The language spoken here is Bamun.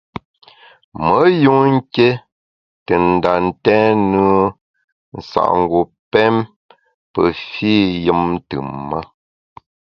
Me yun nké te nda ntèn nùe nsa’ngu pém pe fî yùm ntùm-ma.